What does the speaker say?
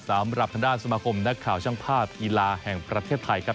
สำหรับทางด้านสมาคมนักข่าวช่างภาพกีฬาแห่งประเทศไทยครับ